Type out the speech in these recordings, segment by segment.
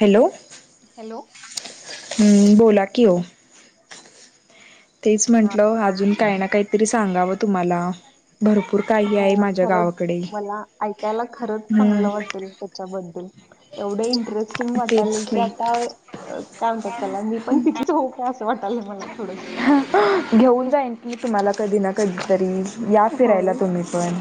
Hello hello [unintelligible] हम्म बोला कि ओ तेच म्हंटलं अजून काही ना काहीतरी सांगावं तुम्हाला भरपूर काही आहे हो माझ्या खरंच गावाकडे मला ऐकायला खरंच हम्म चांगलं वाटेल त्याच्याबद्दल एवढ इंटरेस्टिंग वाटालय की आता काय म्हणतात त्याला मी पण तिथलीच हो का असं वाटाल घेऊन जाईन की तुम्हाला कधी ना कधी या फिरायला होय तुम्ही पण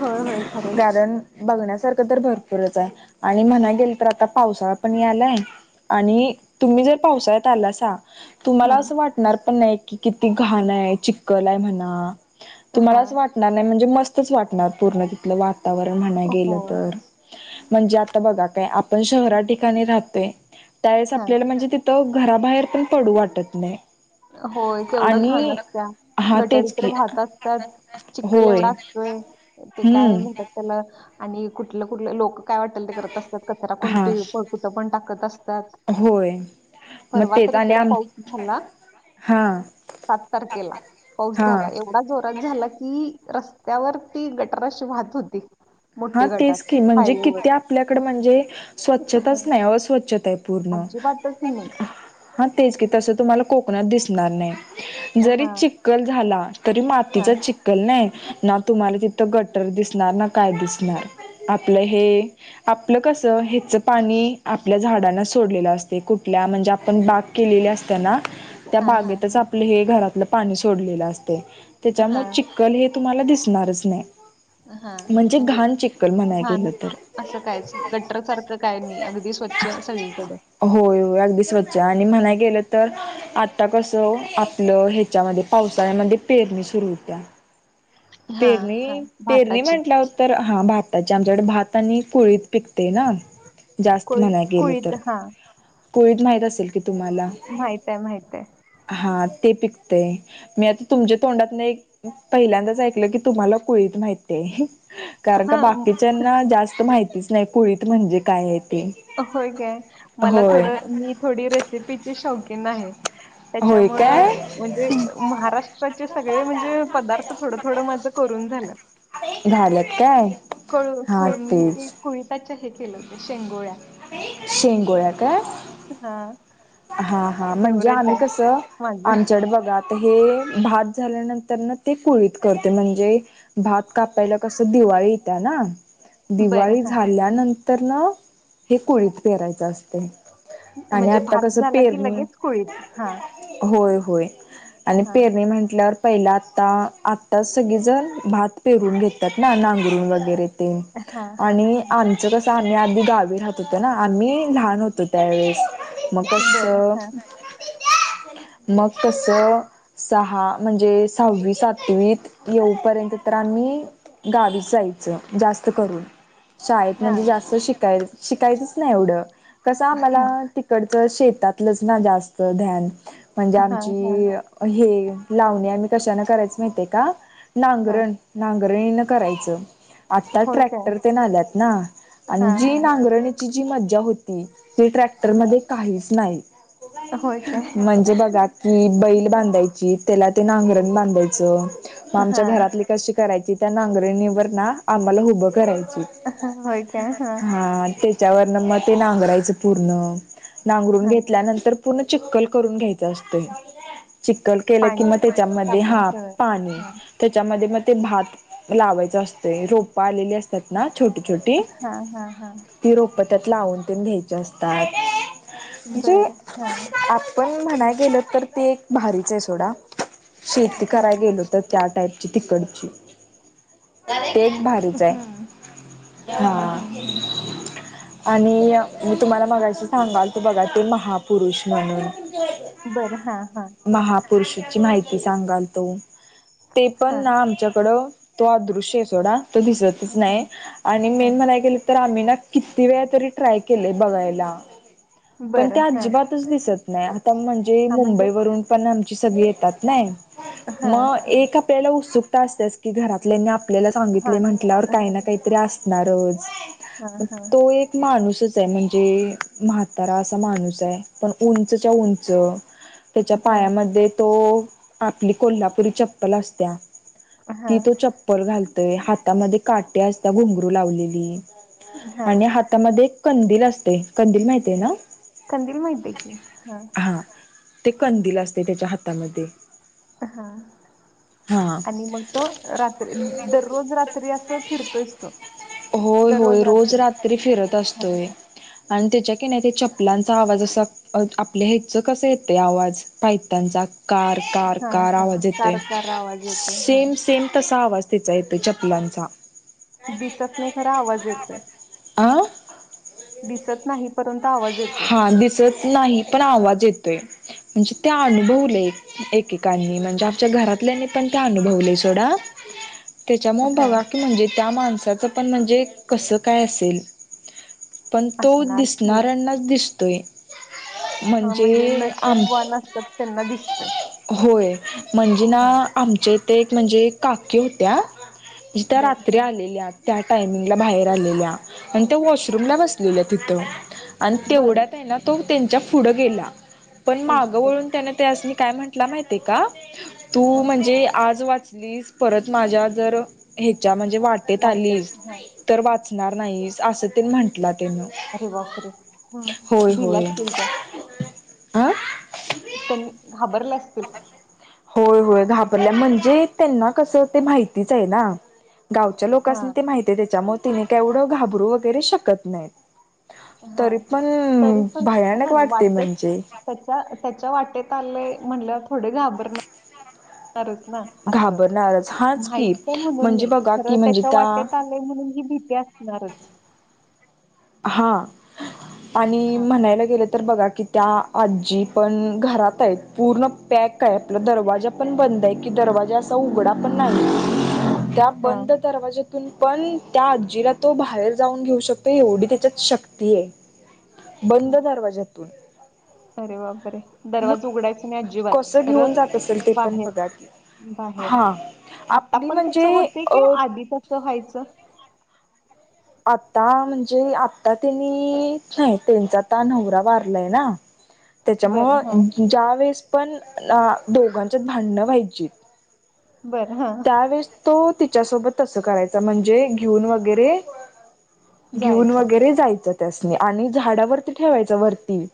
होय होय खरंच कारण बघण्यासारखं भरपूर आणि म्हणायला गेले तर आता पावसाळा पण यालाय आणि तुम्ही जर पावळ्यात आला तुम्हाला असं हम्म वाटणार पण नाही कि किती घाण आहे चिखल आहे म्हणा हा तुम्हालाच वाटणार नाही म्हणजे मस्तच वाटणार पूर्ण तिथ वा वातावरण म्हणायला गेलं होय तर म्हणजे आता बघा काय आपण शहरा ठिकाणी राहतोय त्यावेळेस हा आपल्याला म्हणजे तिथं घराबाहेर पण पडू वाटत नाही होय केवढं घाण आणि असत्या हा गटारी तेच तर की वाहात असतात चिखल होय एवढा असतोय ते काय म्हणतात हम्म त्याला आणि कुठलं कुठलं लोक काय वाटल ते करत असतात कचरा हा कोणती फळकुटं पण टाकत असतात होय मग परवा तेच तर आणि इकड आम पाऊस झाला हा सात तारखेला पाऊस हा झाला एवढा जोरात झाला की ती रस्त्यावर ती गटराशी वाहत होती हा मोठी गटार तेच की म्हणजे हायवेवर किती आपल्याकडे म्हणजे स्वच्छताच हं. नाही अस्वच्छता आहे पूर्ण अजिबातच नाही हा तेच की तसं तुम्हाला कोकणात दिसणार नाही हां, जरी चिखल झाला तरी मातीचा हां, चिखल नाही ना तुम्हाला तिथं गट्टर दिसणार ना काय दिसणार आपलं हे आपलं कस हच पाणी आपल्या झाडांना सोडलेला असते कुठल्या म्हणजे आपण बाग केलेल्या असतना त्या हां, हां, बागेतच हां, आपलं हे घरातलं पाणी सोडलेलं असते त्याच्यामुळे चिक्कल हे तुम्हाला दिसणारच नाही हा म्हणजे चिखल म्हणायला गेलं घाण तर असं काय गट्टर सारखं काय नाही अगदी स्वच्छ सगळीकडे होय होय अगदी स्वच्छ आणि म्हणाय गेलं तर आता कसं आपलं ह्याच्यामध्ये पावसाळ्यामध्ये पेरणी सुरू होत्या हां, हां. पेरणी पेरणी भाताची म्हटल्या उतर हा भात त्याच्या आमच्याकडे भात आणि फोळीत पिकते ना जास्त कोळी म्हणाय गेलं कुळीत तर हां कोळीत माहित असेल की तुम्हाला? माहित आहे माहित आहे. हा. ते पिकतेय मी आता तुमच्या तोंडात नाही पहिल्यांदाच तुम्हाला कोळीत माहित आहे. कारण का हां बाकीच्याना जास्त माहितीच नाही. कोळीत म्हणजे काय आहेत? होय काय मला थोडं मी थोडी रेसिपीचे शौकीन आहे. [inaudible] त्याच्या मुळे काय म्हणजे महाराष्ट्राचे सगळे म्हणजे पदार्थ थोडं थोडं माझं करून झालं. झाल्यात काय हा तेच [unintelligible] तिला ते शेंगुळया शेंगोळ्या काय? हां. हा हा म्हणजे फेवरेट आम्ही आहे कस माझं. आमच्याकडे बघा आता हे भात झाल्यानंतर ना ते कुळीत करते म्हणजे भात कापायला कसं दिवाळी येत ना. बरं दिवाळी हां. झाल्यानंतर न हे कोळीत पेरायचं असते. आणि म्हणजे आता भात कसं झाला की पेरणी लगेच कोळीत हा. होय होय आणि पेरणी म्हंटल्यावर पहिला आत्ता आत्ताच सगळे जण भात पेरून घेतात ना नांगरूण वगैरे हां, हां. आणि आमचं कस आम्ही आधी गावी राहत होतो ना. आम्ही लहान होतो त्यावेेळेस. बरं. मग हां. [inaudible] मग तस सहा म्हणजे सहावी सातवीत येऊपर्यंत तर आम्ही गावी जायचं जास्त करून शाळेत म्हणजे हां. जास्त शिकाय शिकायचंच नाही एवढं. कस आम्हाला तिकडचं शेतातलंच ना जास्त धान्य न म्हणजे हां, आमची हां. हे लावणे आम्ही कशान करायच माहितेय का, हां. नांगरण नांगरणीन करायचं. आता होय काय? ट्रॅक्टर ते आल्यात ना आणि हां, जी हां. नांगरणीची जी मज्जा होती ते ट्रॅक्टर हां. मध्ये काहीच नाही होय काय? म्हणजे बघा की बैल बांधायची, त्याला ते नांगरण बांधायच, मग आमच्या हां. घरातली कशी करायची त्या नांगरणीवर ना आम्हाला उभं करायच. हां. होय काय? हां. हा तेच. त्या मग ते नांगरायच पूर्ण नांगरून हां. घेतल्यानंतर पूर्ण चिखल करून घ्यायचं असतंय. चिक्खल केलं की पाणी मग त्याच्यामध्ये तापून हा ठेवायचं. पाणी, हां. त्याच्यामध्ये मग ते भात, लावायच असतंय रोप आलेली असतात ना. छोटी छोटी हां, हां, हां. ती रोप त्यात लावून ते घ्यायची असतात. म्हणजे बरं हा. आपण म्हणाय गेल तर ते एक भारीच आहे सोडा. शेती हां. कराय गेलो तर त्या टाईप तिकडची तेच भारीच आहे. हं, हं, हं, हं. आणि मी तुम्हाला मगाशी सांगाल तू बघा ते महापुरुष म्हणून बरं. हां, हां. महापुरुषाची माहिती. सांगाल तो ते पण हां, ना आमच्याकडं तो अदृश्य आहे सोडा तो दिसतच हां, नाही आणि हां. मेन म्हणाय गेलं तर मी ना किती वेळा तरी ट्राय केले बघायला, पण ते बरं. हां. अजिबातच दिसत नाही. आता म्हणजे हां, म्हणजे मुंबई वरून पण आमची सगळी येतात नाही. हां, मग हां, एक आपल्याला उत्सुकता असतेस की घरातल्यांनी आप आपल्याला सांगितले हां. म्हटल्यावर हां, काही हां, ना काहीतरी असणारच. मग हां. तो एक माणूसच म्हणजे म्हातारा असा माणूस आहे, पण उंचच्या उंच, त्याच्या हां, पायामध्ये तो आपली कोल्हापुरी चप्पल असत्या. ती हां, तो चप्पल घालतय, हातामध्ये काटे असतात घुंगरू लावलेली, आणि हां. हातामध्ये कंदील असते. कंदील माहितीय ना? कंदील माहिती आहे की हा ते कंदील असतय त्याच्या हातामध्ये हा हा आणि मग तो रात्री दररोज रात्री असं फिरतोयचं तो होय होय रोज रात्री फिरत हां, असतोय. आणि त्याच्या किण्या ते चपलांचा आवाज असा आपल्या ह्याच कसं येतंय आवाज पायताणचा कार कार हां, कार हां. आवाज येतोय कार-कार आवाज येतोय. हां. सेम सेम तसा आवाज हिचा येतोय चपलांचा दिसत नाही खरा आवाज येतोय. आं दिसत नाहीत. हा दिसत नाही पण आवाज येतो. म्हणजे ते अनुभवलय एकेकांनी म्हणजे आपच्या घरातल्यानी पण ते अनुभवलय [unintelligible] त्याच्यामुळे हां. बगा की म्हणजे त्या माणसाचं पण म्हणजे कसं काय असेल पण तो असणार की. दिसणाऱ्यांनाच दिसतोय. हां, म्हणजे आम नशीबवान असतात त्यांना दिसतोय. होय म्हणजे ना हां. आमच्या इथे एक म्हणजे काकी होत्या त्या बर रात्री हा आलेल्या त्या टायमिंगला बाहेर आलेल्या आणि त्या हा वॉशरूमला बसलेल्या तिथं आणि बरं तेवढ्यात हाय ना तो त्यांच्या पुढं गेला पण करू मागं शकतात वळून त्यांन त्यासनी काय म्हंटला माहिती आहे का तू हा म्हणजे आज वाचलीस परत माझ्या जर ह्याच्या म्हणजे वाटेत वाटते आलीस हा तर वाचणार नाहीस असं ते म्हंटला. अरे [unintelligible] बापरे भिल्या असतील त्या. आं त्यांनी घाबरल्यात. होय होय घाबरल्या म्हणजे त्यांना कसं ते माहितीच आहे ना. गावच्या हा लोकांसनी ते माहितीय त्याच्यामुळे त्यानी काय येवढं घाबरू वगैरे शकत नाहीत. हा तरी पण तरी पण ह भयानक वाटते वाटेत म्हणजे त्याच्या त्याच्या वाटेत आले. म्हणलं थोडे घाबरनार असणारच ना असं, घाबरणारच हाच माहित की हाय म्हणून म्हणजे नाही बघा खर की म्हणजे त्याच्या त्या वाटेत आलंय म्हणून ही भीती. भीती असणारच. हा आणि हा म्हणायला गेलं तर बघा की त्या आजी पण घरात आहेत पूर्ण पॅक आहे आपला दरवाजा पण बंद. बंद आहे की दरवाजा असा उघडा पण नाही त्या हा बंद दरवाजा पण त्या आजीला तो बाहेर जाऊन घेऊ शकतो एवढी त्याच्यात शक्ती आहे. बंद दरवाज्यातून अरे बापरे मग दरवाजा उघडायच नाही अजिबात कसं खरं घेऊन जात असेल ते पण बाहेर बघा की बाहेर हा आता आपली पण तसं म्हणजे होत अ की आधी तस व्हायचं. आता म्हणजे आता त्यांनी नाही त्यांचा आता नवरा वारलाय ना त्याच्या बरं हा मुळे ज्या वेळेस पण अं दोघांच्यात भांडणं व्हायची. बरं हां त्यावेेळेस तो तिच्यासोबत तसं करायचा म्हणजे घेऊन वगैरे. घेऊन जायचा वगैरे जायचं त्यासनी आणि झाडावरती ठेवायचं वरती.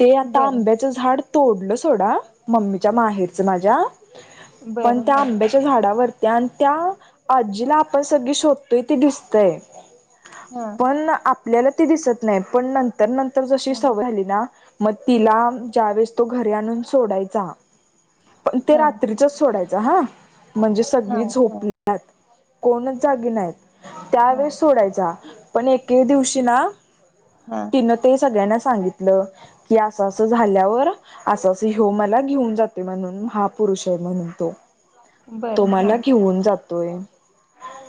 ते आता बरं आंब्याचं झाड तोडलं सोडा. मम्मीच्या हं माहेरच माझ्या पण बरं त्या हां आंब्याच्या झाडावरती आणि त्या आजीला आपण सगळी शोधतोय ते दिसतय. हां पण आपल्याला ती दिसत नाही पण नंतर नंतर जशी हां सवय झाली ना मग तिला ज्या वेळेस तो घरी आणून सोडायचा पण ते हां रात्रीचच सोडायचा हा म्हणजे सगळी हां हां झोपल्या - कोण जागी नाहीत. हां त्यावेेळेस सोडायचा पण एके दिवशी ना. हां तिन ते सगळ्यांना सांगितलं. - की असं अस झाल्यावर असं असं हेव मला घेऊन जाते म्हणून महापुरुष आहे. म्हण तो. बरं हां तुम्हाला घेऊन जातोय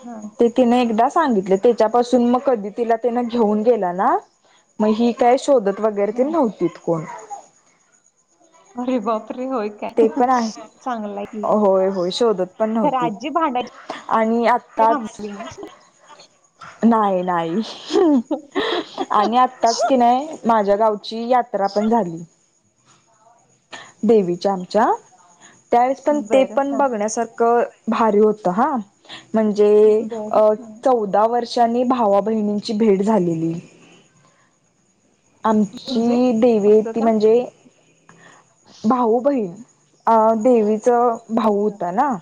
हां ते तिने एकदा सांगितले. त्याच्यापासून मग कधी तिला घेऊन गेला ना मग ह काय शोधत. वगैरे ते हां नव्हतीत कोण. अरे बापरे! होय काय ते पण आहे चांगला की होय होय शोधत पण तर नव्हती. आजी भांडायची आणि आत्ताच. थांबली मी. नाही नाही आणि आत्ताच की नाही. माझ्या गावची यात्रा पण झाली. देवीच्या आमच्या त्यावेळेस पण ते बरं पण हां बघण्यासारखं. भारी होत हा म्हणजे बरं हां चौदा वर्षांनी भावा. बहिणींची भेट झालेली. म्हणजे आमची देवी असं ती का? म्हणजे भाऊ बहीण. अ देवीच भाऊ होत ना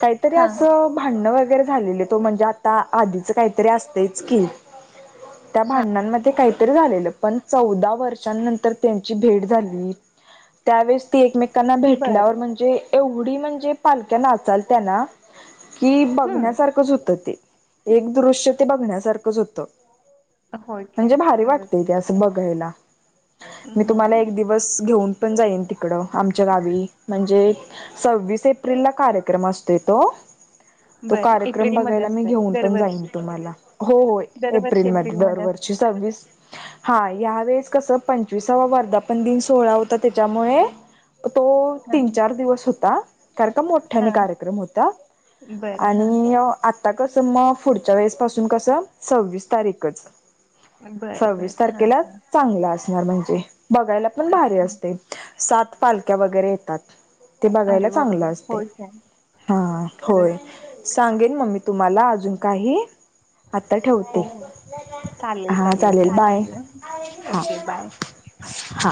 काहीतरी हां असं भांडण वगैरे. वगैरे झाले तो म्हणजे आता आधीच काहीतरी असतच की. त्या हां भांडणांमध्ये काहीतरी झालेलं. पण चौदा वर्षांनंतर त्यांची भेट झाली त्यावेळेस. ती एकमेकांना भेटल्यावर बरं म्हणजे एवढी म्हणजे पालक्या नाचालत्या ना. कि हं बघण्यासारखंच होतं ते एक दृश्य ते बघण्यासारखंच होतं. होय काय म्हणजे भारी खरंच वाटतेय ते असं बघायला. मी तुम्हाला एक हं दिवस घेऊन पण जाईन तिकडं आमच्या गावी म्हणजे सव्वीस एप्रिल ला कार्यक्रम असतोय तो. [inaudible] तो बरं कार्यक्रम एप्रिलमध्ये बघायला मी असते घेऊन पण जाईन दरवर्षी तुम्हाला. हो दरवर्षी एप्रिलमध्ये असते दरवर्षीच हा या वेळेस कसं पंचविसावा वर्धापन दिन सोहळा होता त्याच्यामुळे तो हां तीन चार दिवस होता कारण का मोठ्याने हां कार्यक्रम होता. बरं हां. आणि आता कसं मग पुढच्या वेळेस पासून कसं सव्वीस तारीखच. बर बरं सव्वीस हां तारखेला चांगला असणार म्हणजे बघायला पण भारी हां. असते. सात पालक्या वगैरे येतात. ते बघायला अरे चांगलं बापरे! असतय. हो काय हा खरंच. होय सांगेन. मग मी तुम्हाला अजून काही. आता ठेवते हो चालेल हा चालेल. बाय हा ओके बाय हा